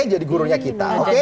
jadi gurunya kita oke